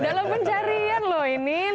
dalam pencarian loh ini